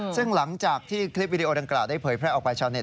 ซึ่งหลังจากที่คลิปวิดีโอดังกล่าได้เผยแพร่ออกไปชาวเต็